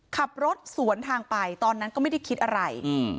ขับรถสวนทางไปตอนนั้นก็ไม่ได้คิดอะไร